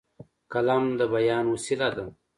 قلم د بیان وسیله ده.